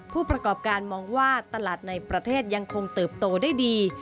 ผู้ประกอบการมองว่าตลาดในประเทศยังคงเติบโตได้ดี